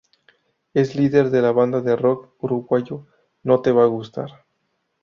Es el líder de la banda de rock uruguayo No Te Va Gustar.